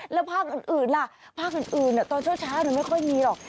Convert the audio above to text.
แล้วภาคอื่นล่ะภาคอื่นตอนเช้าไม่ค่อยมีหรอก